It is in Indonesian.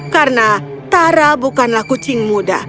karena tara bukanlah kucing muda